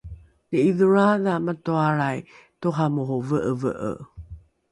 ni’idholroadha matoalrai toramoro ve’eve’e